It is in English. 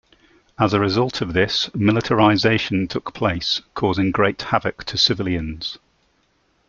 As a result of this, militarisation took place, causing great havoc to civilians.